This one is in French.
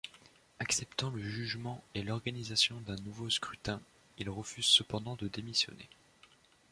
Acceptant le jugement et l'organisation d'un nouveau scrutin, il refuse cependant de démissionner.